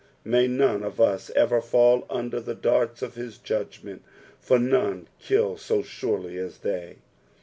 Hay none of us ever fall under the darts .of his judgment, for none kill so surely as they.